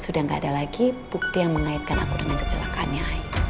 sudah tidak ada lagi bukti yang mengaitkan aku dengan kecelakaannya